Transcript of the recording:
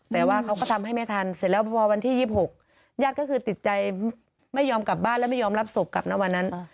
แต่ว่าเขาก็ทำให้ไม่ทันเสร็จแล้วพอวันที่๒๖ญาติก็คือติดใจไม่ยอมกลับบ้านแล้วไม่ยอมรับศพกลับนะวันนั้น